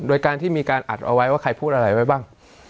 โดยการที่มีการอัดเอาไว้ว่าใครพูดอะไรไว้บ้าง